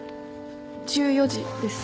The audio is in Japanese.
１４時です。